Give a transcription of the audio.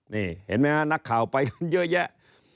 นี่เห็นมั้ยฮะนักข่าวไปเยอะแยะ